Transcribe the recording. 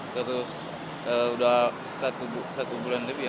terus udah satu bulan lebih ya